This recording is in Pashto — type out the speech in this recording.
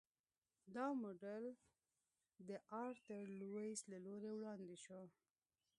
دا موډل د آرتر لویس له لوري وړاندې شو.